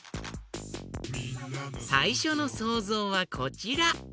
さいしょのそうぞうはこちら。